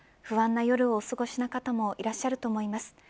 不安な夜をお過ごしの方もいらっしゃると思います。